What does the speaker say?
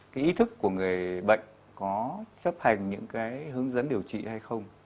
cái ý thức của người bệnh có chấp hành những cái hướng dẫn điều trị hay không